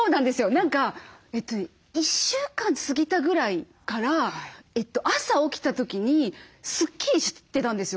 何か１週間過ぎたぐらいから朝起きた時にすっきりしてたんですよ。